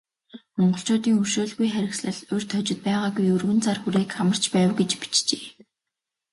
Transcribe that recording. Монголчуудын өршөөлгүй харгислал урьд хожид байгаагүй өргөн цар хүрээг хамарч байв гэж бичжээ.